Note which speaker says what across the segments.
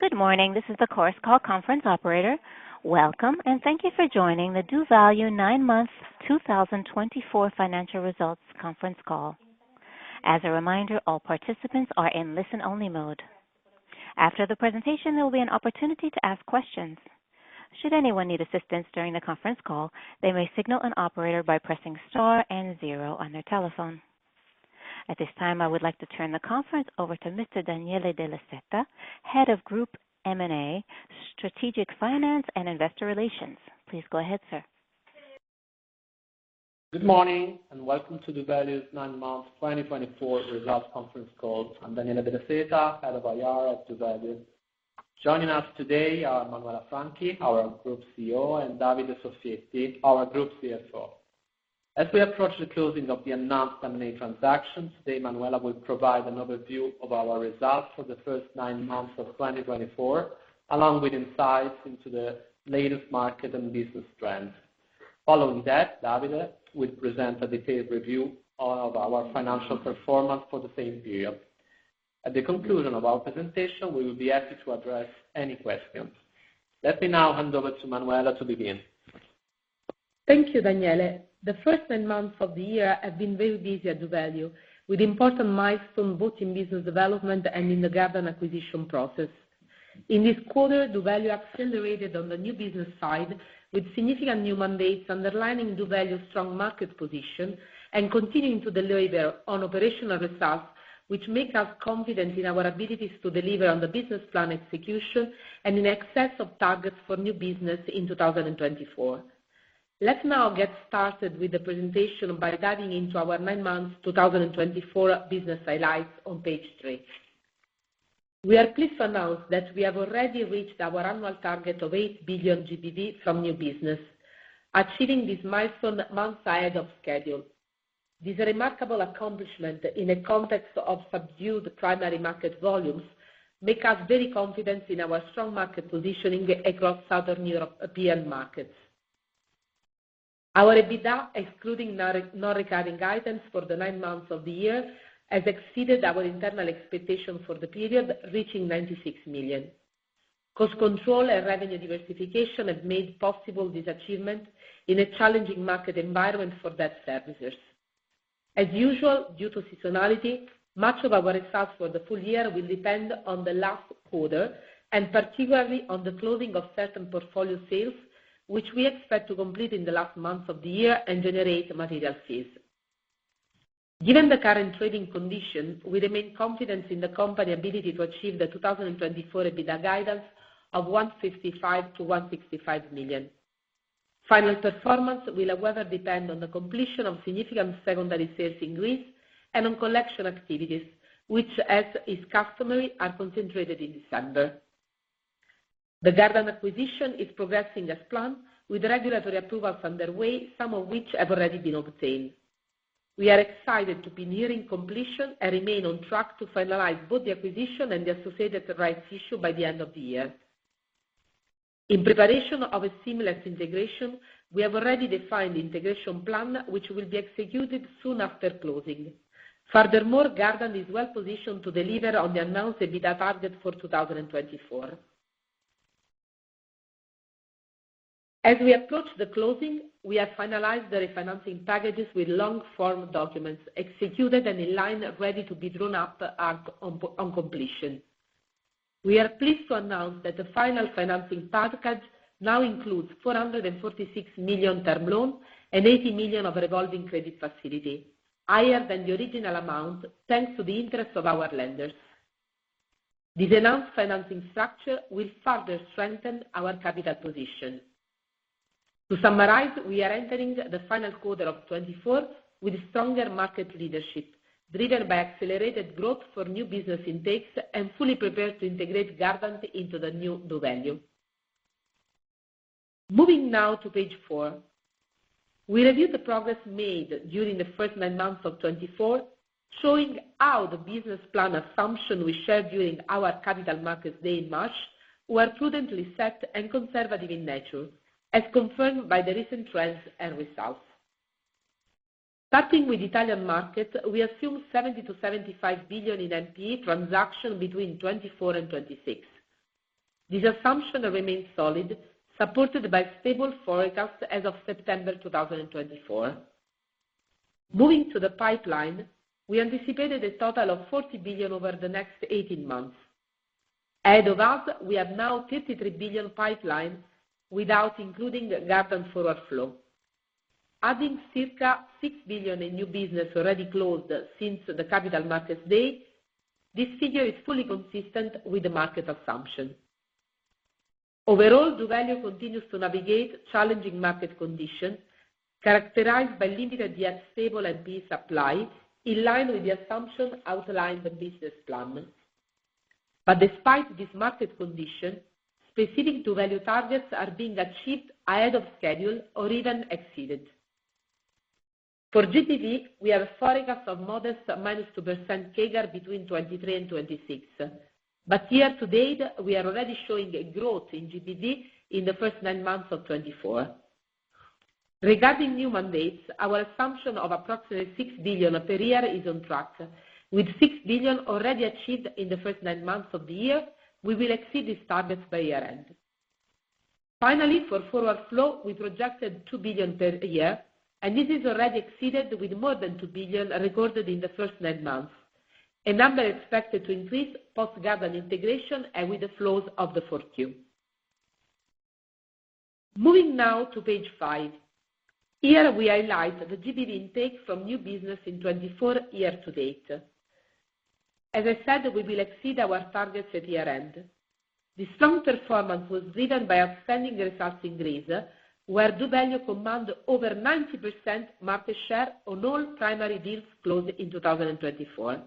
Speaker 1: Good morning. This is the conference call operator. Welcome, and thank you for joining the doValue Nine Months 2024 Financial Results Conference Call. As a reminder, all participants are in listen-only mode. After the presentation, there will be an opportunity to ask questions. Should anyone need assistance during the conference call, they may signal an operator by pressing star and zero on their telephone. At this time, I would like to turn the conference over to Mr. Daniele Della Seta, Head of Group M&A, Strategic Finance and Investor Relations. Please go ahead, sir.
Speaker 2: Good morning and welcome to doValue's Nine Months 2024 Results Conference Call. I'm Daniele Della Seta, Head of IR at doValue. Joining us today are Manuela Franchi, our Group CEO, and Davide Soffietti, our Group CFO. As we approach the closing of the announced M&A transactions, today Manuela will provide an overview of our results for the first nine months of 2024, along with insights into the latest market and business trends. Following that, Davide will present a detailed review of our financial performance for the same period. At the conclusion of our presentation, we will be happy to address any questions. Let me now hand over to Manuela to begin.
Speaker 3: Thank you, Daniele. The first nine months of the year have been very busy at doValue, with important milestones both in business development and in the Gardant acquisition process. In this quarter, doValue accelerated on the new business side with significant new mandates, underlining doValue's strong market position and continuing to deliver on operational results, which makes us confident in our abilities to deliver on the business plan execution and in excess of targets for new business in 2024. Let's now get started with the presentation by diving into our nine months 2024 business highlights on page three. We are pleased to announce that we have already reached our annual target of 8 billion GBV from new business, achieving this milestone months ahead of schedule. This remarkable accomplishment, in a context of subdued primary market volumes, makes us very confident in our strong market positioning across Southern European markets. Our EBITDA, excluding non-recurring items for the nine months of the year, has exceeded our internal expectations for the period, reaching 96 million. Cost control and revenue diversification have made possible this achievement in a challenging market environment for debt services. As usual, due to seasonality, much of our results for the full year will depend on the last quarter, and particularly on the closing of certain portfolio sales, which we expect to complete in the last months of the year and generate material fees. Given the current trading conditions, we remain confident in the company's ability to achieve the 2024 EBITDA guidance of 155-165 million. Final performance will, however, depend on the completion of significant secondary sales in Greece and on collection activities, which, as is customary, are concentrated in December. The Gardant acquisition is progressing as planned, with regulatory approvals underway, some of which have already been obtained. We are excited to be nearing completion and remain on track to finalize both the acquisition and the associated rights issue by the end of the year. In preparation of a seamless integration, we have already defined the integration plan, which will be executed soon after closing. Furthermore, Gardant is well positioned to deliver on the announced EBITDA target for 2024. As we approach the closing, we have finalized the refinancing packages with long-form documents executed and in line ready to be drawn up on completion. We are pleased to announce that the final financing package now includes 446 million term loans and 80 million of revolving credit facility, higher than the original amount thanks to the interest of our lenders. This announced financing structure will further strengthen our capital position. To summarize, we are entering the final quarter of 2024 with stronger market leadership, driven by accelerated growth for new business intakes, and fully prepared to integrate Gardant into the new doValue. Moving now to page four, we reviewed the progress made during the first nine months of 2024, showing how the business plan assumptions we shared during our Capital Markets Day in March were prudently set and conservative in nature, as confirmed by the recent trends and results. Starting with the Italian market, we assumed 70 billion-75 billion in NPE transactions between 2024 and 2026. This assumption remained solid, supported by stable forecasts as of September 2024. Moving to the pipeline, we anticipated a total of 40 billion over the next 18 months. Ahead of us, we have now 53 billion pipeline without including Gardant forward flow. Adding circa 6 billion in new business already closed since the Capital Markets Day, this figure is fully consistent with the market assumption. Overall, doValue continues to navigate challenging market conditions characterized by limited yet stable NPE supply, in line with the assumptions outlined in the business plan. But despite this market condition, specific doValue targets are being achieved ahead of schedule or even exceeded. For GBV, we have forecasts of modest minus 2% CAGR between 2023 and 2026. But year to date, we are already showing a growth in GBV in the first nine months of 2024. Regarding new mandates, our assumption of approximately 6 billion per year is on track. With 6 billion already achieved in the first nine months of the year, we will exceed these targets by year-end. Finally, for forward flow, we projected 2 billion per year, and this is already exceeded with more than 2 billion recorded in the first nine months, a number expected to increase post-Gardant integration and with the flows of the fourth year. Moving now to page five, here we highlight the GBV intake from new business in 2024 year to date. As I said, we will exceed our targets at year-end. This strong performance was driven by outstanding results in Greece, where doValue commanded over 90% market share on all primary deals closed in 2024.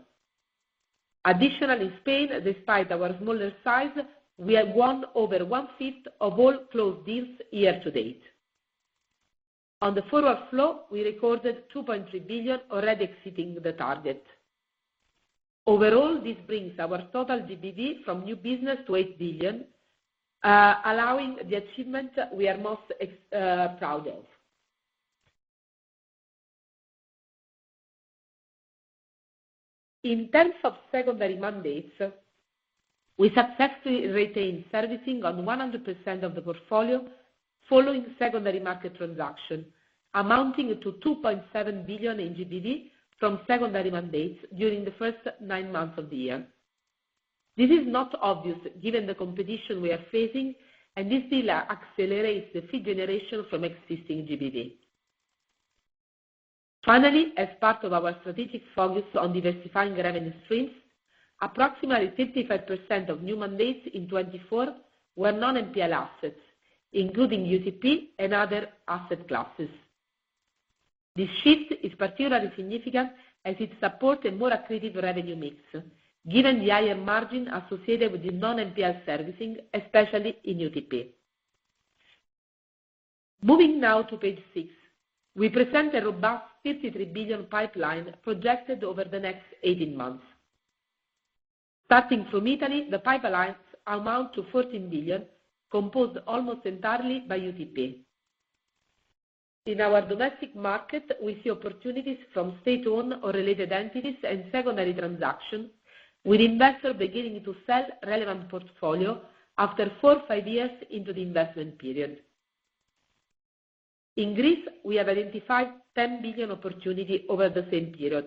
Speaker 3: Additionally, in Spain, despite our smaller size, we have won over one-fifth of all closed deals year to date. On the forward flow, we recorded 2.3 billion already exceeding the target. Overall, this brings our total GBV from new business to 8 billion, allowing the achievement we are most proud of. In terms of secondary mandates, we successfully retained servicing on 100% of the portfolio following secondary market transactions, amounting to 2.7 billion in GBV from secondary mandates during the first nine months of the year. This is not obvious given the competition we are facing, and this deal accelerates the fee generation from existing GBV. Finally, as part of our strategic focus on diversifying revenue streams, approximately 55% of new mandates in 2024 were non-NPL assets, including UTP and other asset classes. This shift is particularly significant as it supports a more accretive revenue mix, given the higher margin associated with the non-NPL servicing, especially in UTP. Moving now to page six, we present a robust 53 billion pipeline projected over the next 18 months. Starting from Italy, the pipelines amount to 14 billion, composed almost entirely by UTP. In our domestic market, we see opportunities from state-owned or related entities and secondary transactions, with investors beginning to sell relevant portfolio after four or five years into the investment period. In Greece, we have identified 10 billion opportunities over the same period,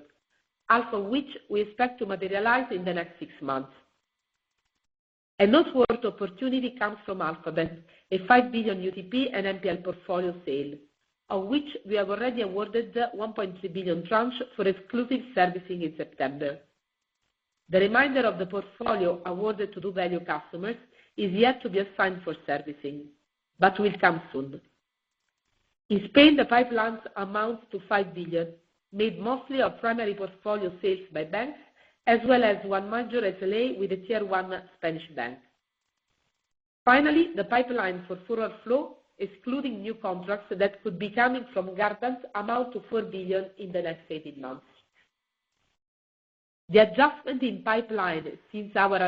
Speaker 3: half of which we expect to materialize in the next six months. A noteworthy opportunity comes from Alphabet, a 5 billion UTP and NPL portfolio sale, on which we have already awarded 1.3 billion tranches for exclusive servicing in September. The remainder of the portfolio awarded to doValue customers is yet to be assigned for servicing, but will come soon. In Spain, the pipelines amount to 5 billion, made mostly of primary portfolio sales by banks, as well as one major SLA with a tier one Spanish bank. Finally, the pipeline for forward flow, excluding new contracts that could be coming from Gardant, amounts to 4 billion in the next 18 months. The adjustment in pipeline since our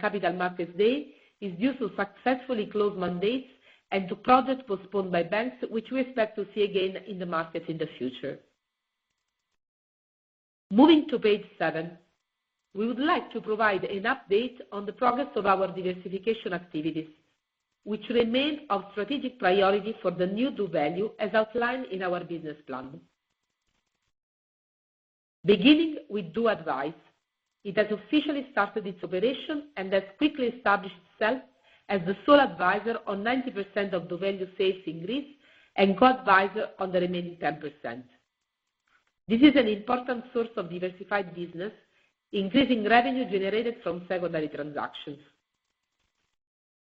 Speaker 3: Capital Markets Day is due to successfully closed mandates and to projects postponed by banks, which we expect to see again in the market in the future. Moving to page seven, we would like to provide an update on the progress of our diversification activities, which remain of strategic priority for the new doValue, as outlined in our business plan. Beginning with doAdvice, it has officially started its operation and has quickly established itself as the sole advisor on 90% of doValue sales in Greece and co-advisor on the remaining 10%. This is an important source of diversified business, increasing revenue generated from secondary transactions.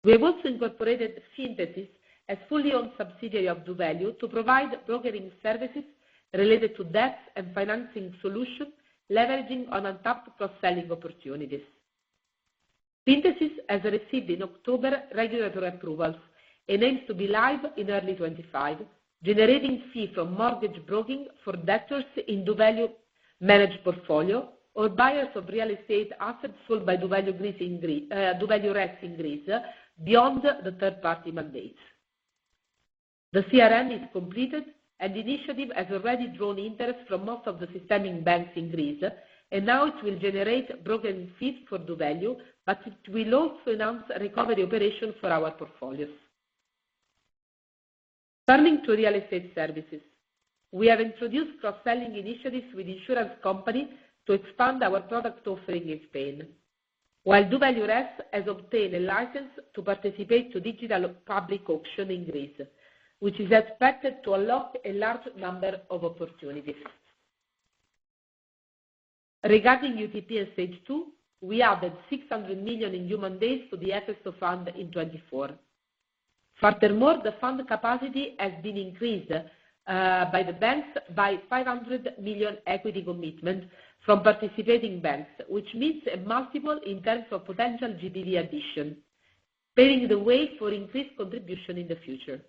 Speaker 3: We have also incorporated Synthesis as a fully-owned subsidiary of doValue to provide brokering services related to debt and financing solutions, leveraging untapped cross-selling opportunities. Synthesis has received in October regulatory approvals and aims to be live in early 2025, generating fees from mortgage broking for debtors in doValue's managed portfolio or buyers of real estate assets sold by doValue REITs in Greece beyond the third-party mandates. The CRM is completed, and the initiative has already drawn interest from most of the systemic banks in Greece, and now it will generate brokering fees for doValue, but it will also announce a recovery operation for our portfolios. Turning to real estate services, we have introduced cross-selling initiatives with insurance companies to expand our product offering in Spain, while doValue REITs have obtained a license to participate in digital public auction in Greece, which is expected to unlock a large number of opportunities. Regarding UTP and Stage 2, we added 600 million in new mandates to the Efesto Fund in 2024. Furthermore, the fund capacity has been increased by the banks by 500 million equity commitments from participating banks, which means a multiple in terms of potential GBV addition, paving the way for increased contribution in the future.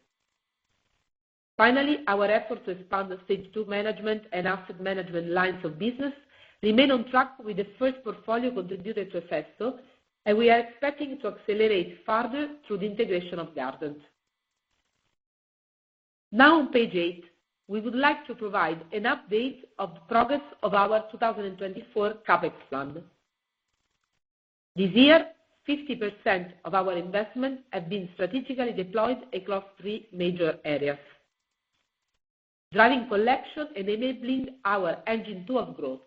Speaker 3: Finally, our efforts to expand Stage 2 management and asset management lines of business remain on track with the first portfolio contributed to Efesto, and we are expecting to accelerate further through the integration of Gardant. Now, on page eight, we would like to provide an update of the progress of our 2024 CapEx plan. This year, 50% of our investments have been strategically deployed across three major areas: driving collection and enabling our engine two of growth.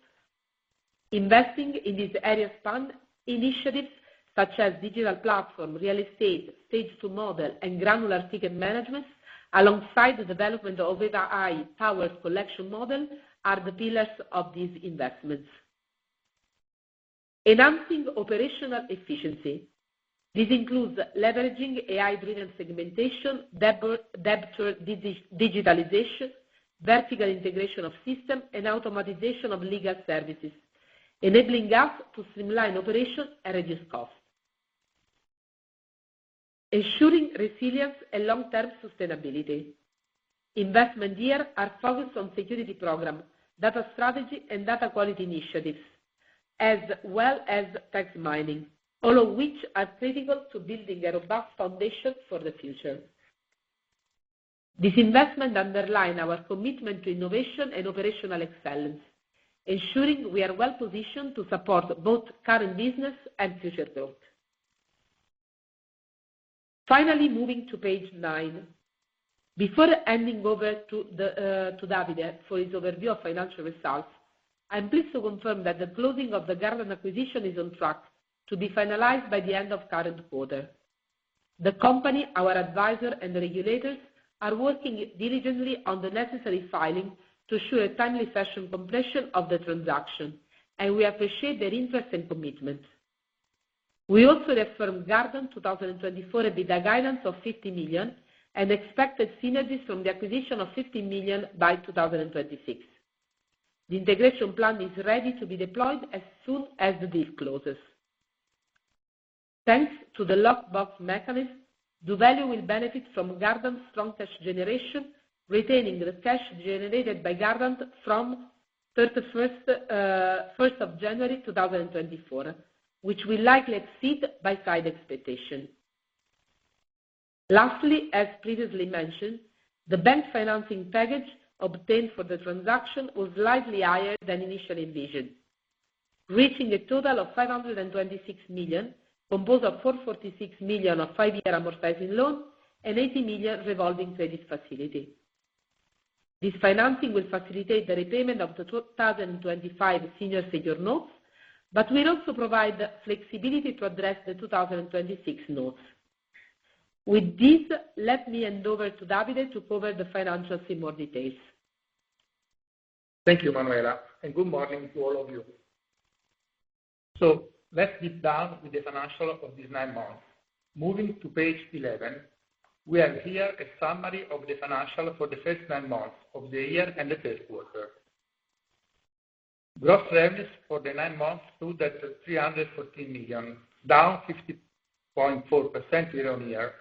Speaker 3: Investing in these areas funds initiatives, such as digital platform, real estate, Stage 2 model, and granular ticket management, alongside the development of AI-powered collection model, are the pillars of these investments. Enhancing operational efficiency, this includes leveraging AI-driven segmentation, debtor digitization, vertical integration of systems, and automation of legal services, enabling us to streamline operations and reduce costs. Ensuring resilience and long-term sustainability. Investments here are focused on security programs, data strategy, and data quality initiatives, as well as text mining, all of which are critical to building a robust foundation for the future. This investment underlines our commitment to innovation and operational excellence, ensuring we are well positioned to support both current business and future growth. Finally, moving to page nine, before handing over to Davide for his overview of financial results, I'm pleased to confirm that the closing of the Gardant acquisition is on track to be finalized by the end of the current quarter. The company, our advisor, and the regulators are working diligently on the necessary filing to ensure a timely successful completion of the transaction, and we appreciate their interest and commitment. We also reference Gardant 2024 EBITDA guidance of 50 million and expected synergies from the acquisition of 50 million by 2026. The integration plan is ready to be deployed as soon as the deal closes. Thanks to the lockbox mechanism, doValue will benefit from Gardant's strong cash generation, retaining the cash generated by Gardant from 31st of January 2024, which will likely exceed buy-side expectations. Lastly, as previously mentioned, the bank financing package obtained for the transaction was slightly higher than initially envisioned, reaching a total of 526 million, composed of 446 million of five-year amortizing loans and 80 million revolving credit facility. This financing will facilitate the repayment of the 2025 senior secured notes, but will also provide flexibility to address the 2026 notes. With this, let me hand over to Davide to cover the financials in more detail.
Speaker 4: Thank you, Manuela, and good morning to all of you. So let's deep dive into the financials of these nine months. Moving to page 11, we have here a summary of the financials for the first nine months of the year and the third quarter. Gross revenues for the nine months stood at 314 million, down 50.4% year-on-year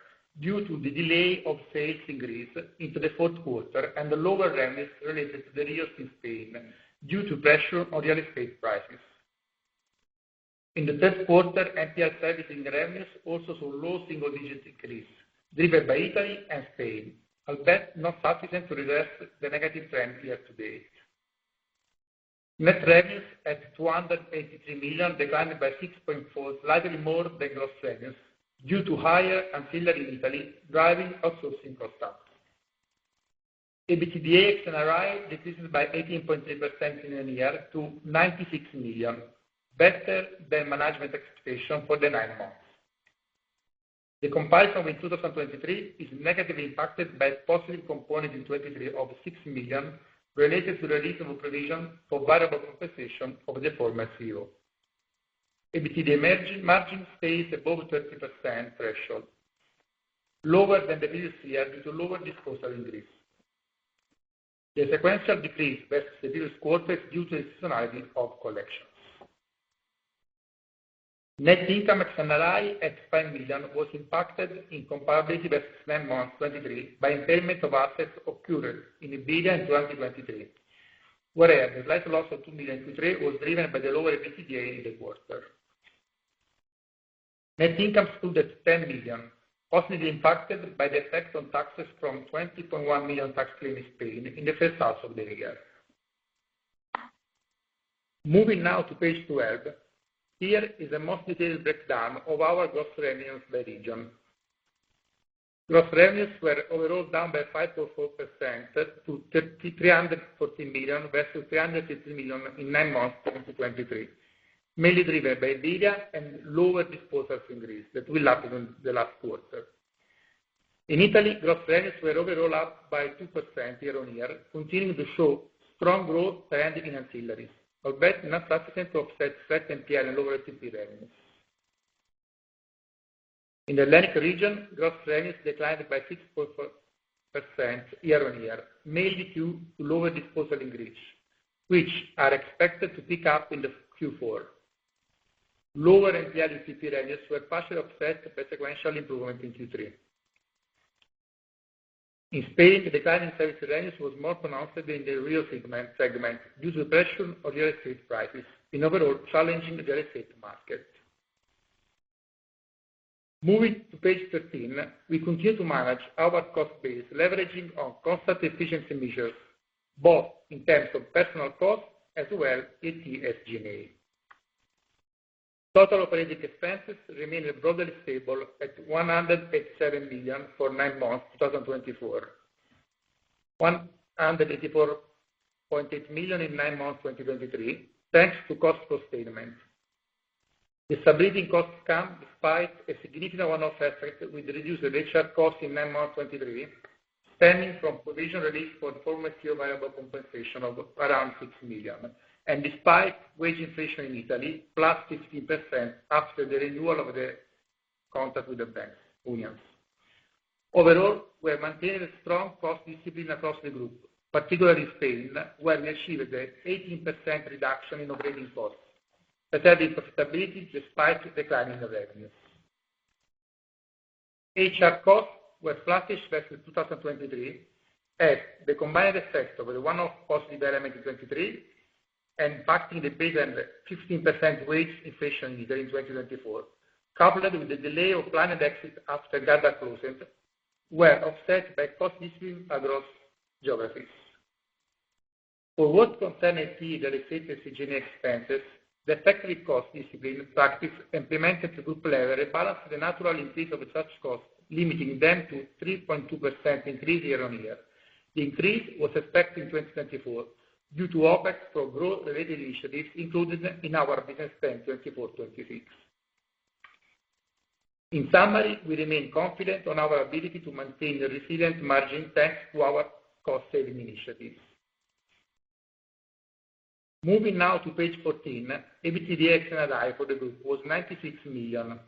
Speaker 4: due to the delay of sales in Greece into the fourth quarter and the lower revenues related to the REOs in Spain due to pressure on real estate prices. In the third quarter, NPL servicing revenues also saw low single-digit increase, driven by Italy and Spain, albeit not sufficient to reverse the negative trend year-to-date. Net revenues at 283 million declined by 6.4%, slightly more than gross revenues due to higher ancillary in Italy driving outsourcing costs. EBITDA ex-NRI decreased by 18.3% in a year to 96 million, better than management expectations for the nine months. The comparison with 2023 is negatively impacted by a positive component in 2023 of 6 million related to the release of a provision for variable compensation of the former CEO. EBITDA margin stays above the 30% threshold, lower than the previous year due to lower disposals in Greece. The sequential decrease versus the previous quarter is due to the seasonality of collections. Net income ex-NRI at 5 million was impacted in comparability versus nine months 2023 by impairment of assets occurred in EBITDA in 2023, whereas the slight loss of 2 million in 2023 was driven by the lower EBITDA in the quarter. Net income stood at 10 million, possibly impacted by the effect on taxes from 20.1 million tax claims in Spain in the first half of the year. Moving now to page 12, here is a more detailed breakdown of our gross revenues by region. Gross revenues were overall down by 5.4% to 314 million versus 350 million in nine months 2023, mainly driven by EBITDA and lower disposals in Greece that we lacked in the last quarter. In Italy, gross revenues were overall up by 2% year-on-year, continuing to show strong growth trend in ancillaries, albeit not sufficient to offset slight NPL and lower UTP revenues. In the Iberian region, gross revenues declined by 6.4% year-on-year, mainly due to lower disposals in Greece, which are expected to pick up in Q4. Lower NPL/UTP revenues were partially offset by sequential improvements in Q3. In Spain, the decline in service revenues was more pronounced than in the REOS segment due to the pressure on real estate prices, in an overall challenging real estate market. Moving to page 13, we continue to manage our cost base, leveraging on cost-efficient measures, both in terms of personnel costs as well as IT SG&A. Total operating expenses remained broadly stable at 187 million for nine months 2024, 184.8 million in nine months 2023, thanks to cost containment. Disposal costs come despite a significant one-off effect with reduced HR costs in nine months 2023, stemming from provision release for the former CEO variable compensation of around 6 million, and despite wage inflation in Italy, plus 15% after the renewal of the contract with the banks. Overall, we have maintained a strong cost discipline across the group, particularly in Spain, where we achieved an 18% reduction in operating costs, preserving profitability despite declining revenues. HR costs were flattish versus 2023, as the combined effect of the one-off cost development in 2023 and impacting the P&L and 15% wage inflation in 2024, coupled with the delay of planned exit after Gardant closing, were offset by cost discipline across geographies. For what concerns other real estate SG&A expenses, the effective cost discipline practice implemented to group level balanced the natural increase of such costs, limiting them to 3.2% increase year-on-year. The increase was expected in 2024 due to efforts for growth-related initiatives included in our business plan 24-26. In summary, we remain confident on our ability to maintain resilient margins thanks to our cost-saving initiatives. Moving now to page 14, EBITDA ex-NRI for the group was 96 million,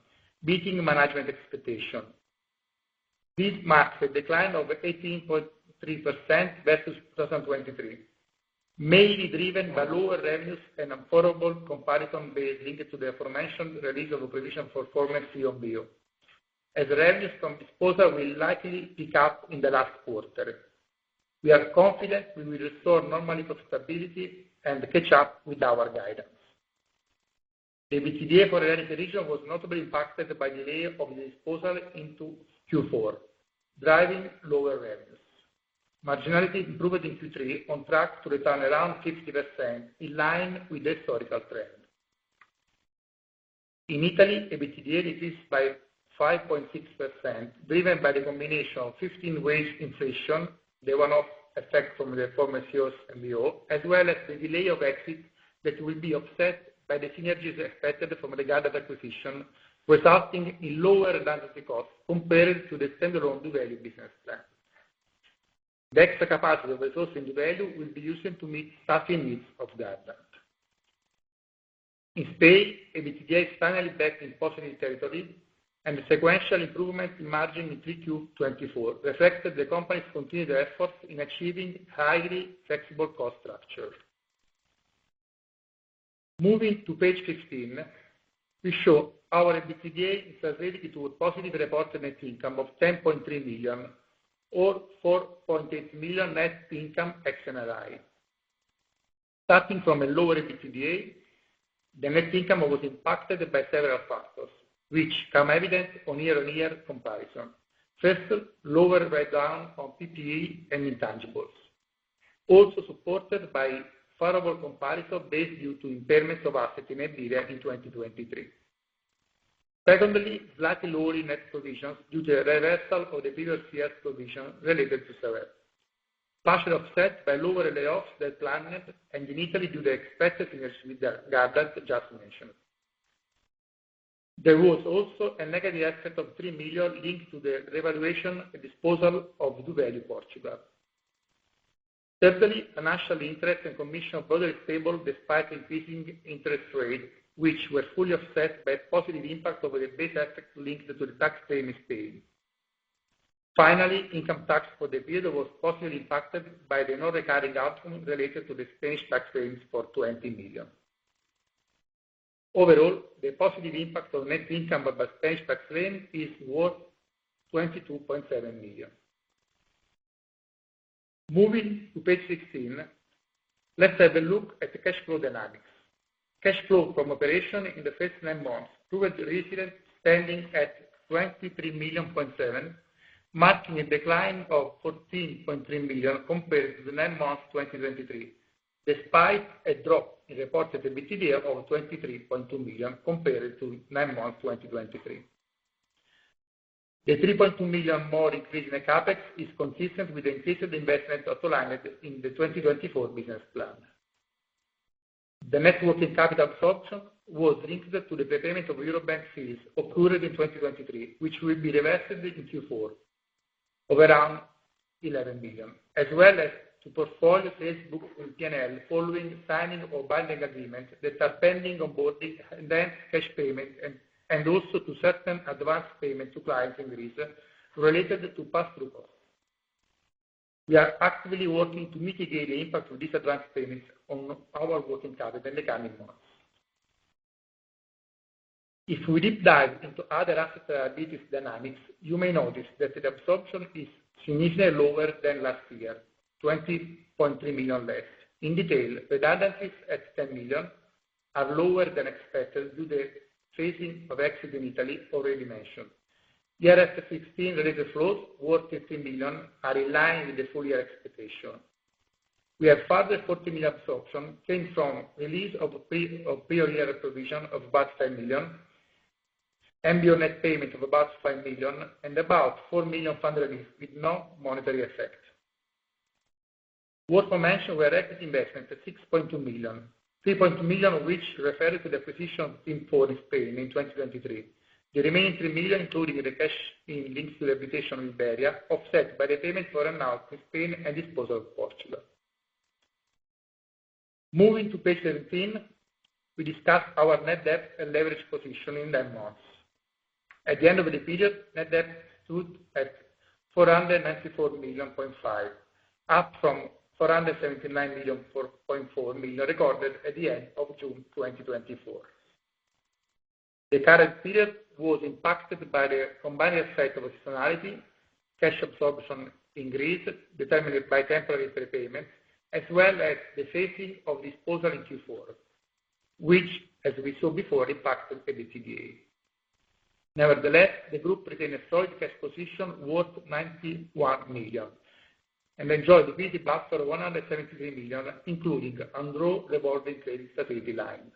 Speaker 4: beating management expectations. This marks a decline of 18.3% versus 2023, mainly driven by lower revenues and affordable comparison base linked to the aforementioned release of a provision for former CEO and MBO, as revenues from disposal will likely pick up in the last quarter. We are confident we will restore normal profitability and catch up with our guidance. The EBITDA for the Atlantic region was notably impacted by the delay of the disposal into Q4, driving lower revenues. Marginality improved in Q3, on track to return around 50%, in line with the historical trend. In Italy, EBITDA decreased by 5.6%, driven by the combination of 15% wage inflation, the one-off effect from the former CEOs and MBO, as well as the delay of exit that will be offset by the synergies expected from the Gardant acquisition, resulting in lower redundancy costs compared to the standalone doValue business plan. The extra capacity of resources in doValue will be used to meet staffing needs of Gardant. In Spain, EBITDA is finally back in positive territory, and the sequential improvement in margin in Q3-2024 reflected the company's continued efforts in achieving a highly flexible cost structure. Moving to page 15, we show our EBITDA is translating into a positive reported net income of 10.3 million, or 4.8 million net income ex-NRI. Starting from a lower EBITDA, the net income was impacted by several factors, which come evident on year-on-year comparison. First, lower write-down on PPE and intangibles, also supported by a favorable comparison based due to impairment of assets in EBITDA in 2023. Secondly, slightly lower net provisions due to the reversal of the previous year's provision related to severance, partially offset by lower layoffs than planned, and initially due to the expected synergies with the Gardant just mentioned. There was also a negative effect of 3 million linked to the revaluation and disposal of doValue Portugal. Thirdly, financial interest and commission were broadly stable despite increasing interest rates, which were fully offset by a positive impact of the base effect linked to the tax pay in Spain. Finally, income tax for the period was positively impacted by the non-recurring outcome related to the Spanish tax claims for 20 million. Overall, the positive impact on net income by Spanish tax claims is worth 22.7 million. Moving to page 16, let's have a look at the cash flow dynamics. Cash flow from operations in the first nine months proved resilient, standing at 23.7 million, marking a decline of 14.3 million compared to the nine months 2023, despite a drop in reported EBITDA of 23.2 million compared to nine months 2023. The 3.2 million more increase in the CapEx is consistent with the increase in the investment outlined in the 2024 business plan. The net working capital sourced was linked to the prepayment of Eurobank fees occurred in 2023, which will be reversed in Q4 of around 11 million, as well as to portfolio sales booked in P&L following signing of binding agreements that are pending onboarding, and then cash payment, and also to certain advance payments to clients in Greece related to pass-through costs. We are actively working to mitigate the impact of these advance payments on our working capital in the coming months. If we deep dive into other asset liabilities dynamics, you may notice that the absorption is significantly lower than last year, 20.3 million less. In detail, redundancies at 10 million are lower than expected due to the phasing of exit in Italy already mentioned. Year-end 2016 related flows worth 15 million are in line with the full-year expectation. We have further 40 million absorption came from release of a prior year provision of about 5 million, MBO net payment of about 5 million, and about 4 million fund release with no monetary effect. What was mentioned were equity investments at 6.2 million, 3.2 million of which referred to the acquisition import] in Spain in 2023. The remaining 3 million, including the cash in links to the acquisition in Iberia, offset by the payment for earn-out in Spain and disposal of Portugal. Moving to page 17, we discuss our net debt and leverage position in nine months. At the end of the period, net debt stood at 494.5 million, up from 479.4 million recorded at the end of June 2024. The current period was impacted by the combined effect of seasonality, cash absorption in Greece determined by temporary prepayments, as well as the phasing of disposal in Q4, which, as we saw before, impacted EBITDA. Nevertheless, the group retained a solid cash position worth 91 million and enjoyed EBITDA plus of 173 million, including ongoing revolving credit facility line.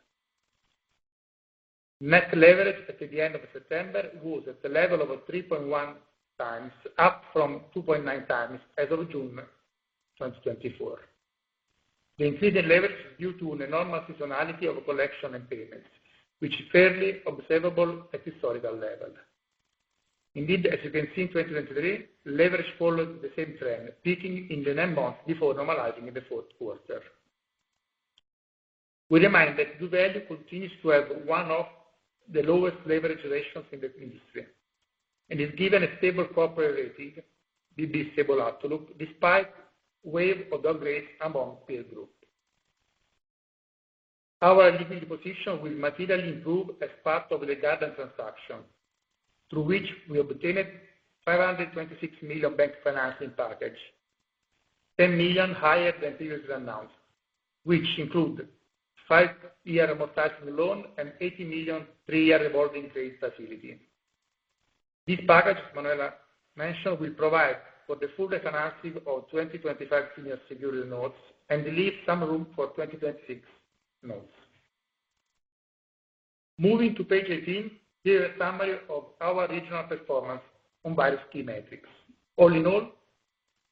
Speaker 4: Net leverage at the end of September was at the level of 3.1 times, up from 2.9 times as of June 2024. The increase in leverage is due to an enormous seasonality of collection and payments, which is fairly observable at the historical level. Indeed, as you can see in 2023, leverage followed the same trend, peaking in the nine months before normalizing in the fourth quarter. We remind that doValue continues to have one of the lowest leverage ratios in the industry and is given a stable corporate rating, BB Stable Outlook, despite a wave of downgrades among peer groups. Our EBITDA position will materially improve as part of the Gardant transaction, through which we obtained 526 million bank financing package, 10 million higher than previously announced, which include a five-year amortizing loan and 80 million three-year revolving credit facility. These packages, Manuela mentioned, will provide for the full refinancing of 2025 senior secured notes and leave some room for 2026 notes. Moving to page 18, here is a summary of our regional performance on various key metrics. All in all,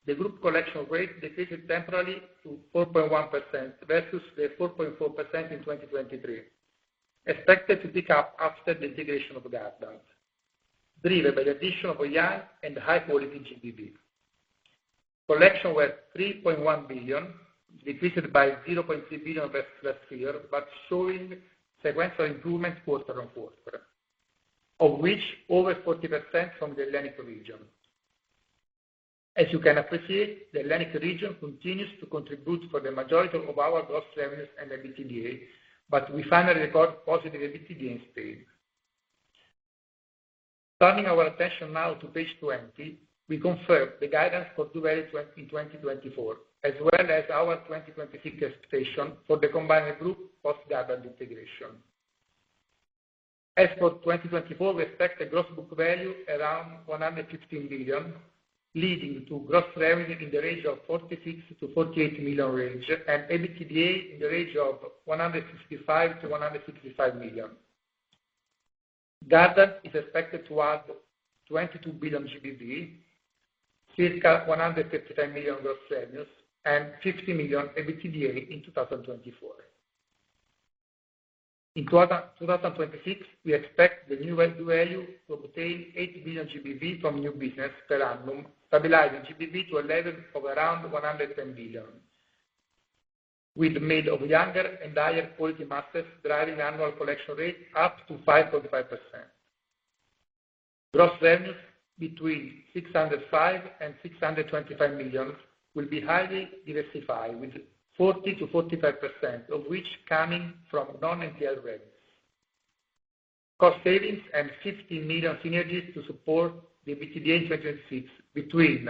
Speaker 4: the group collection rate decreased temporarily to 4.1% versus the 4.4% in 2023, expected to pick up after the integration of Gardant, driven by the addition of young and high-quality GBV. Collection was 3.1 million, decreased by 0.3 million versus last year, but showing sequential improvements quarter on quarter, of which over 40% from the Italian region. As you can appreciate, the Italian region continues to contribute for the majority of our gross revenues and EBITDA, but we finally record positive EBITDA in Spain. Turning our attention now to page 20, we confirm the guidance for doValue in 2024, as well as our 2023 expectation for the combined group post-Gardant integration. As for 2024, we expect a gross book value around 115 billion, leading to gross revenue in the range of 46 million-48 million range and EBITDA in the range of 155 million-165 million. Gardant is expected to add 22 billion GBV, circa 139 million gross revenues, and 50 million EBITDA in 2024. In 2026, we expect the new doValue to obtain 8 billion GBV from new business per annum, stabilizing GBV to a level of around 110 billion, with the need of younger and higher quality masters driving annual collection rate up to 5.5%. Gross revenues between 605-625 million will be highly diversified, with 40-45% of which coming from non-NPL revenues. Cost savings and 15 million synergies to support the EBITDA in 2026, between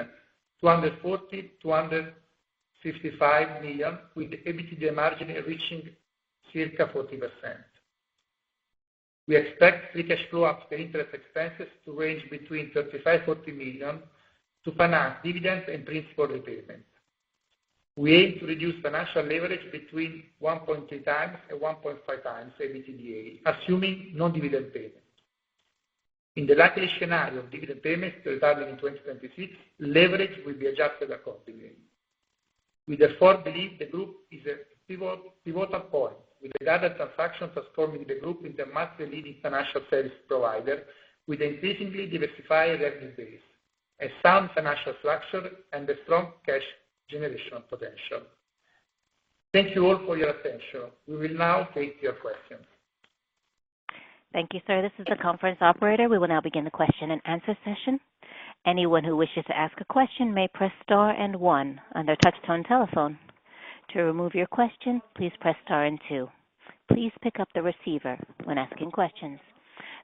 Speaker 4: 240-255 million, with EBITDA margin reaching circa 40%. We expect free cash flow after interest expenses to range between 35 million to 40 million to finance dividends and principal repayment. We aim to reduce financial leverage between 1.3 times and 1.5 times EBITDA, assuming non-dividend payment. In the likely scenario of dividend payments returning in 2026, leverage will be adjusted accordingly. We therefore believe the group is a pivotal point, with the Gardant transaction transforming the group into a massively leading financial service provider, with an increasingly diversified revenue base, a sound financial structure, and a strong cash generation potential. Thank you all for your attention. We will now take your questions.
Speaker 1: Thank you, sir. This is the conference operator. We will now begin the question and answer session. Anyone who wishes to ask a question may press star and one on their touch-tone telephone. To remove your question, please press star and two. Please pick up the receiver when asking questions.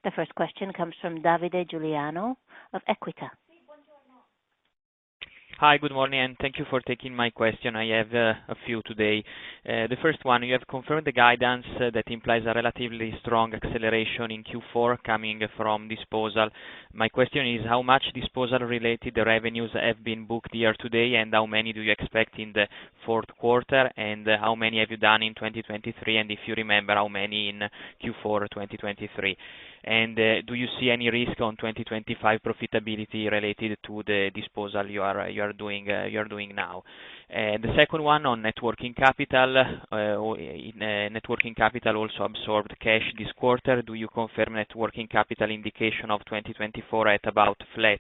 Speaker 1: The first question comes from Davide Giuliano of Equita.
Speaker 5: Hi, good morning, and thank you for taking my question. I have a few today. The first one, you have confirmed the guidance that implies a relatively strong acceleration in Q4 coming from disposal. My question is, how much disposal-related revenues have been booked year to date, and how many do you expect in the fourth quarter, and how many have you done in 2023, and if you remember, how many in Q4 2023? And do you see any risk on 2025 profitability related to the disposal you are doing now? The second one on net working capital. Net working capital also absorbed cash this quarter. Do you confirm net working capital indication of 2024 at about flat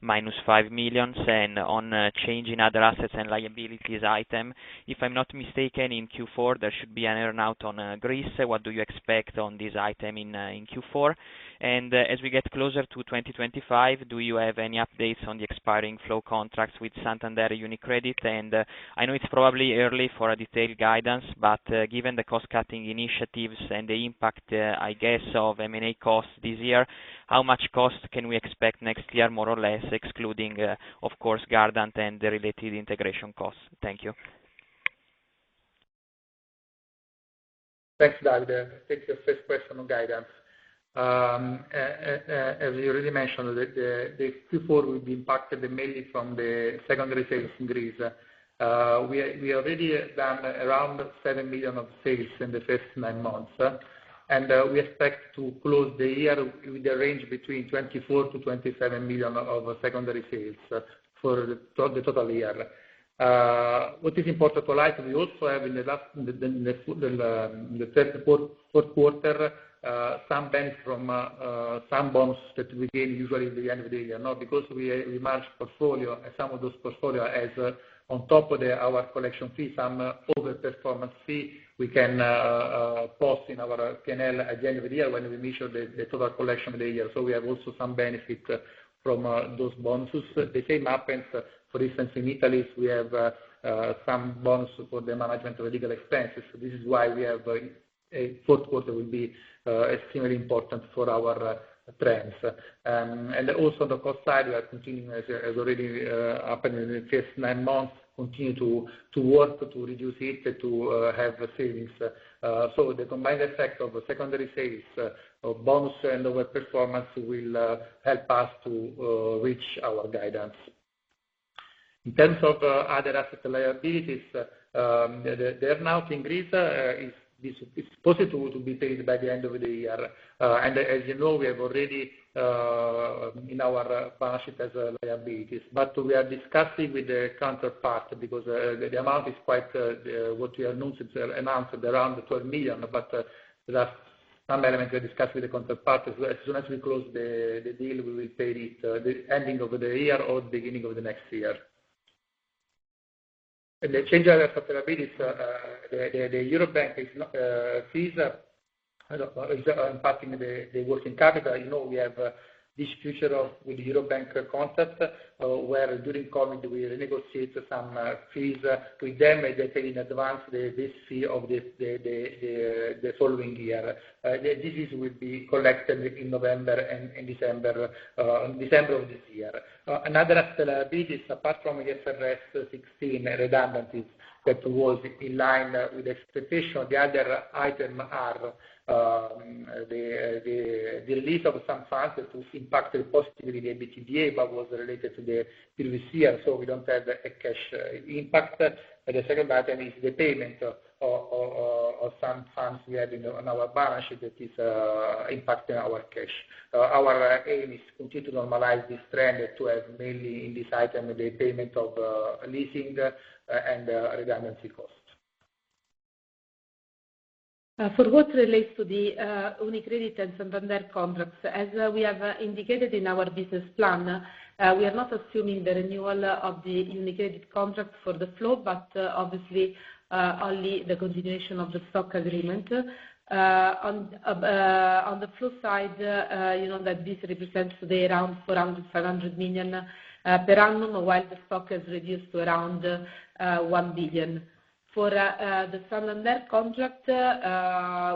Speaker 5: minus 5 million? On change in other assets and liabilities item, if I'm not mistaken, in Q4, there should be an earnout on Greece. What do you expect on this item in Q4? And as we get closer to 2025, do you have any updates on the expiring flow contracts with Santander UniCredit? And I know it's probably early for a detailed guidance, but given the cost-cutting initiatives and the impact, I guess, of M&A costs this year, how much cost can we expect next year, more or less, excluding, of course, Gardant and the related integration costs? Thank you.
Speaker 4: Thanks, Davide. Thank you for your question on guidance. As you already mentioned, the Q4 will be impacted mainly from the secondary sales in Greece. We already have done around seven million of sales in the first nine months, and we expect to close the year with a range between 24 million to 27 million of secondary sales for the total year. What is important to highlight, we also have in the last, in the third quarter, some bonuses from some bonds that we gain usually at the end of the year. Now, because we manage portfolio and some of those portfolio has on top of our collection fee some overperformance fee we can post in our P&L at the end of the year when we measure the total collection of the year. So we have also some benefit from those bonuses. The same happens, for instance, in Italy, we have some bonus for the management of legal expenses. This is why we have a fourth quarter will be extremely important for our trends. And also on the cost side, we are continuing, as already happened in the first nine months, continue to work to reduce it to have savings. So the combined effect of secondary savings of bonus and overperformance will help us to reach our guidance. In terms of other asset liabilities, the earnout in Greece is supposed to be paid by the end of the year. And as you know, we have already in our partnership as liabilities, but we are discussing with the counterpart because the amount is quite what we announced around 12 million, but some elements were discussed with the counterpart. As soon as we close the deal, we will pay it the ending of the year or the beginning of the next year. And the change of liabilities, the Eurobank fees are impacting the working capital. We have this future with the Eurobank contract where during COVID we renegotiated some fees with them that they in advance this fee of the following year. This will be collected in November and December of this year. Another liability is apart from IFRS 16 redundancies that was in line with expectation. The other item is the release of some funds that will impact positively the EBITDA but was related to the previous year, so we don't have a cash impact. The second item is the payment of some funds we have in our balance sheet that is impacting our cash. Our aim is to continue to normalize this trend to have mainly in this item the payment of leasing and redundancy costs.
Speaker 3: For what relates to the UniCredit and Santander contracts, as we have indicated in our business plan, we are not assuming the renewal of the UniCredit contract for the flow, but obviously only the continuation of the stock agreement. On the flow side, you know that this represents today around 400-500 million per annum, while the stock has reduced to around 1 billion. For the Santander contract,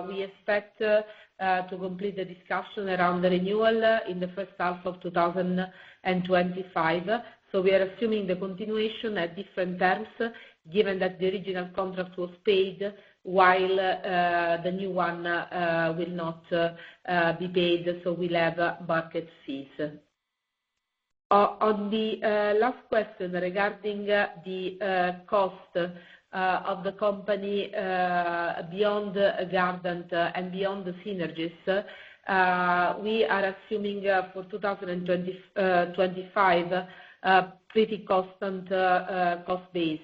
Speaker 3: we expect to complete the discussion around the renewal in the first half of 2025. So we are assuming the continuation at different terms, given that the original contract was paid while the new one will not be paid, so we'll have market fees. On the last question regarding the cost of the company beyond Gardant and beyond the synergies, we are assuming for 2025 a pretty constant cost base,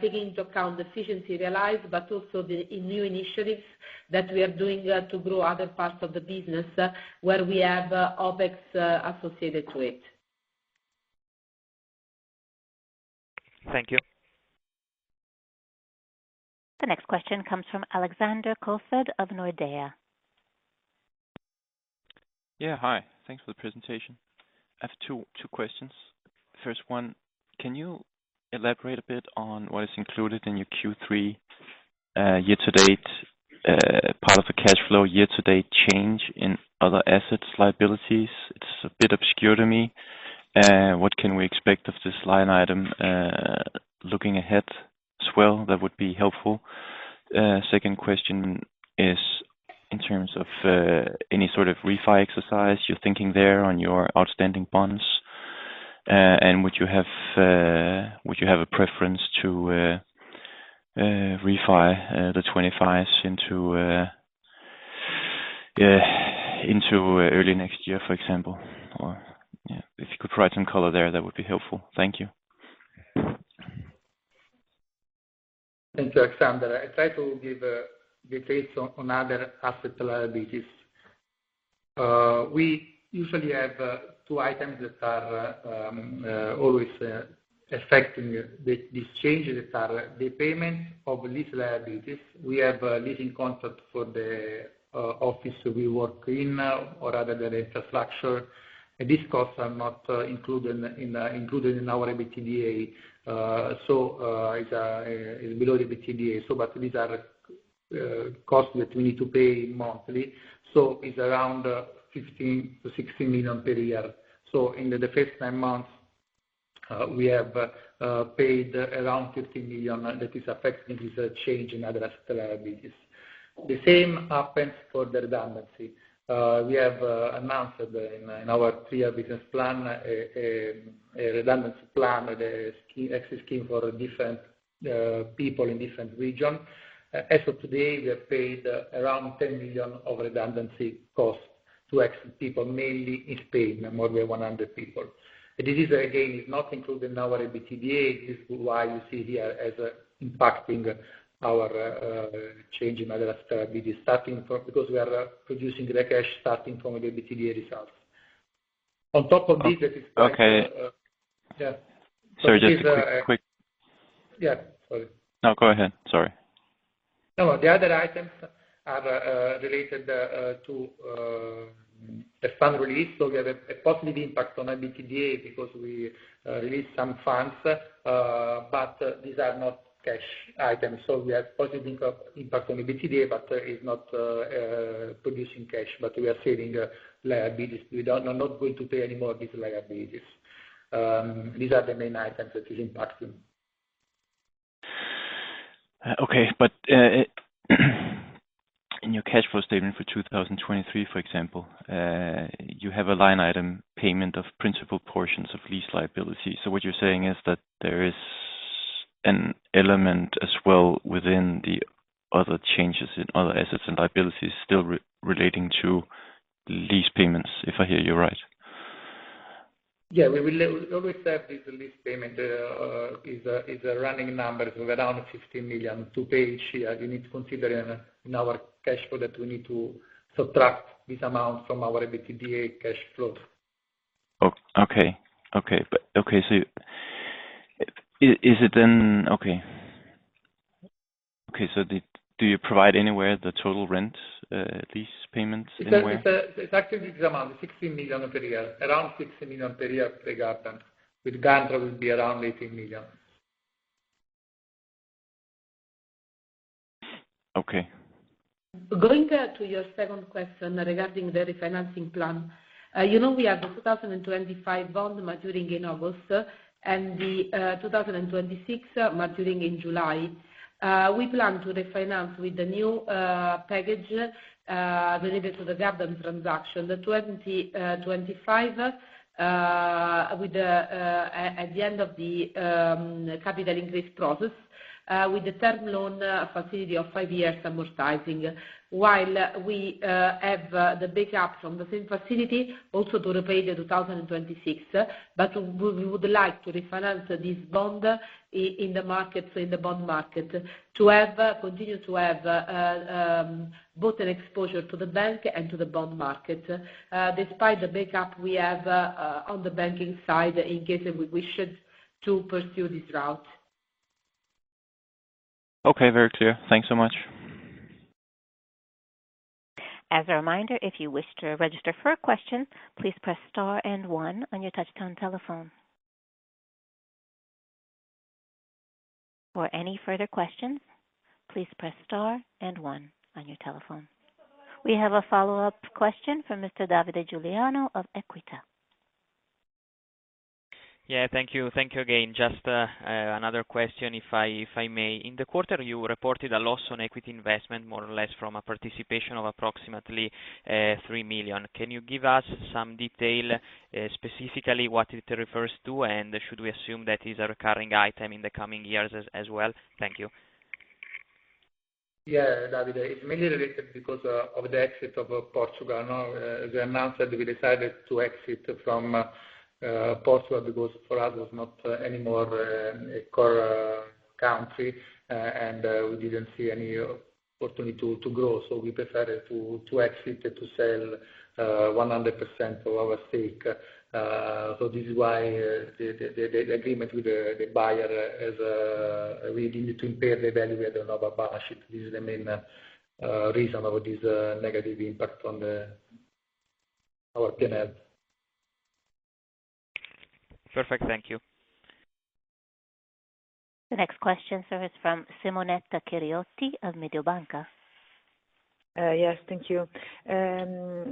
Speaker 3: taking into account efficiency realized, but also the new initiatives that we are doing to grow other parts of the business where we have OpEx associated to it.
Speaker 5: Thank you.
Speaker 1: The next question comes from Alexander Koefoed of Nordea.
Speaker 6: Yeah, hi. Thanks for the presentation. I have two questions. First one, can you elaborate a bit on what is included in your Q3 year-to-date part of the cash flow year-to-date change in other assets and liabilities? It's a bit obscure to me. What can we expect of this line item looking ahead as well? That would be helpful. Second question is in terms of any sort of refi exercise you're thinking there on your outstanding bonds, and would you have a preference to refi the 25s into early next year, for example? If you could provide some color there, that would be helpful. Thank you.
Speaker 4: Thank you, Alexander. I try to give details on other asset liabilities. We usually have two items that are always affecting this change that are the payment of lease liabilities. We have leasing contract for the office we work in or other than infrastructure. These costs are not included in our EBITDA, so it's below the EBITDA. But these are costs that we need to pay monthly, so it's around 15-16 million per year. So in the first nine months, we have paid around 15 million that is affecting this change in other asset liabilities. The same happens for the redundancy. We have announced in our three-year business plan a redundancy plan, an exit scheme for different people in different regions. As of today, we have paid around 10 million of redundancy costs to exit people, mainly in Spain, more than 100 people. This is, again, not included in our EBITDA. This is why you see here as impacting our change in other asset liabilities, starting because we are producing the cash starting from the EBITDA results. On top of this, that is okay. The other items are related to the fund release, so we have a positive impact on EBITDA because we released some funds, but these are not cash items. So we have positive impact on EBITDA, but it's not producing cash, but we are saving liabilities. We are not going to pay any more of these liabilities. These are the main items that are impacting.
Speaker 6: Okay, but in your cash flow statement for 2023, for example, you have a line item payment of principal portions of lease liabilities. So what you're saying is that there is an element as well within the other changes in other assets and liabilities still relating to lease payments, if I hear you right?
Speaker 4: Yeah, we always have the lease payment is a running number. So we're down to 15 million to pay each year. You need to consider in our cash flow that we need to subtract this amount from our EBITDA cash flow.
Speaker 6: Okay. So is it then okay? So do you provide anywhere the total rent lease payments?
Speaker 4: It's actually this amount, 16 million per year, around 16 million per year for the Gardant. With Gardant, it would be around 18 million.
Speaker 6: Okay.
Speaker 3: Going back to your second question regarding the refinancing plan, you know we have the 2025 bond maturing in August and the 2026 maturing in July. We plan to refinance with the new package related to the Gardant transaction, the 2025 at the end of the capital increase process, with the term loan facility of five years amortizing, while we have the backup from the same facility also to repay the 2026. But we would like to refinance this bond in the market, in the bond market, to continue to have both an exposure to the bank and to the bond market, despite the backup we have on the banking side in case we wish to pursue this route.
Speaker 6: Okay, very clear. Thanks so much.
Speaker 1: As a reminder, if you wish to register for a question, please press star and one on your touch-tone telephone. For any further questions, please press star and one on your telephone. We have a follow-up question from Mr. Davide Giuliano of Equita.
Speaker 5: Yeah, thank you. Thank you again. Just another question, if I may. In the quarter, you reported a loss on equity investment, more or less from a participation of approximately 3 million. Can you give us some detail, specifically what it refers to, and should we assume that is a recurring item in the coming years as well? Thank you.
Speaker 4: Yeah, Davide. It's mainly related because of the exit of Portugal. As I announced, we decided to exit from Portugal because for us, it was not anymore a core country, and we didn't see any opportunity to grow. So we decided to exit to sell 100% of our stake. So this is why the agreement with the buyer is we need to impair the value at the end of our balance sheet. This is the main reason of this negative impact on our P&L.
Speaker 5: Perfect. Thank you.
Speaker 1: The next question, sir, is from Simonetta Chiriotti of Mediobanca.
Speaker 7: Yes, thank you.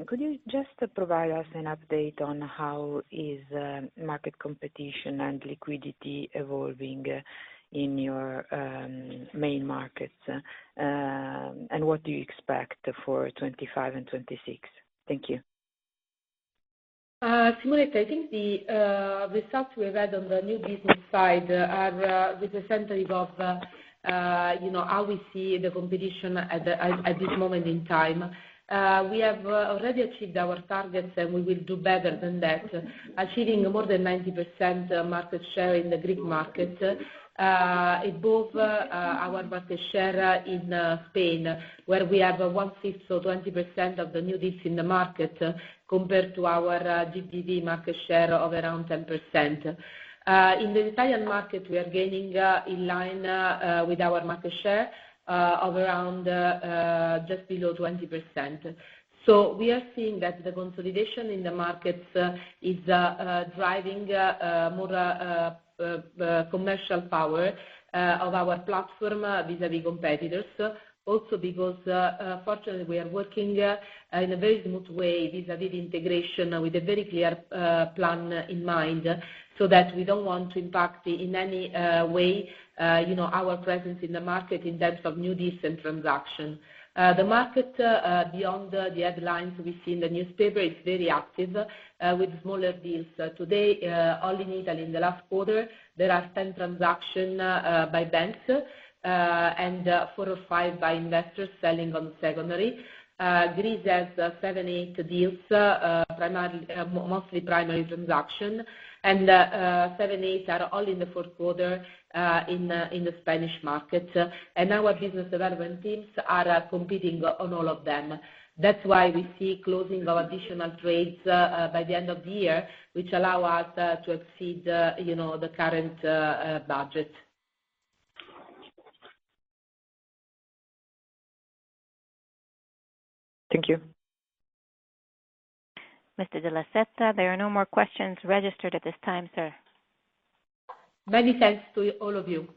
Speaker 7: Could you just provide us an update on how is market competition and liquidity evolving in your main markets, and what do you expect for 2025 and 2026? Thank you.
Speaker 3: Simonetta, I think the results we read on the new business side are representative of how we see the competition at this moment in time. We have already achieved our targets, and we will do better than that, achieving more than 90% market share in the Greek market. Above our market share in Spain, where we have one-fifth or 20% of the new deals in the market compared to our GBV market share of around 10%. In the Italian market, we are gaining in line with our market share of around just below 20%. So we are seeing that the consolidation in the markets is driving more commercial power of our platform vis-à-vis competitors, also because fortunately, we are working in a very smooth way vis-à-vis the integration with a very clear plan in mind so that we don't want to impact in any way our presence in the market in terms of new deals and transactions. The market, beyond the headlines we see in the newspaper, is very active with smaller deals. Today, all in Italy, in the last quarter, there are 10 transactions by banks and four or five by investors selling on secondary. Greece has seven, eight deals, mostly primary transactions, and seven, eight are all in the fourth quarter in the Spanish market. And our business development teams are competing on all of them. That's why we see closing of additional trades by the end of the year, which allow us to exceed the current budget.
Speaker 7: Thank you.
Speaker 1: Mr. Della Seta, there are no more questions registered at this time, sir.
Speaker 3: Many thanks to all of you.